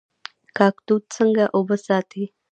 کاکتوس څنګه اوبه ساتي؟